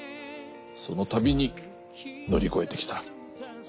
そのたびに乗り越えてきた。